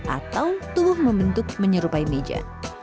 atau tubuh membentuk menyerupai meja